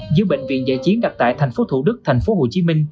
giữa bệnh viện giải chiến đặt tại tp thủ đức tp hcm